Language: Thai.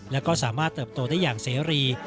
และก็สามารถเติบโตได้อย่างเสรี